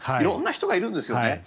色んな人がいるんですよね。